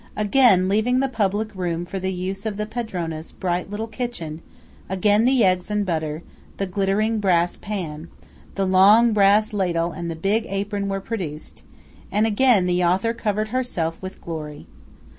Again, leaving the public room for the use of the padrona's bright little kitchen; again the eggs and butter, the glittering brass pan, the long brass ladle and the big apron were produced; and again the author covered herself with glory.